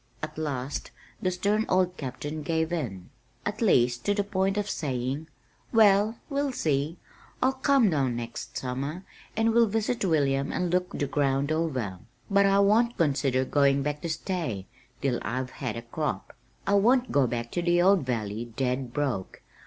At last the stern old Captain gave in, at least to the point of saying, "Well, we'll see. I'll come down next summer, and we'll visit William and look the ground over. But I won't consider going back to stay till I've had a crop. I won't go back to the old valley dead broke.